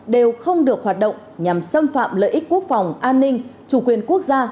đều không được hoạt động nhằm xâm phạm lợi ích quốc phòng an ninh chủ quyền quốc gia